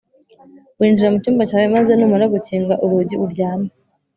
winjira mu cyumba cyawe maze numara gukinga urugi uryame